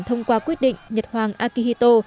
thông qua quyết định nhật hoàng akihito